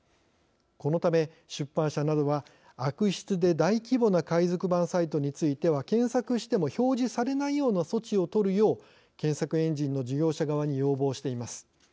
このため出版社などは悪質で大規模な海賊版サイトについては検索しても表示されないような措置をとるよう検索エンジンの事業者側に要望しています。